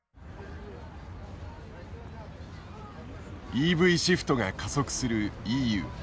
ＥＶシフトが加速するＥＵ。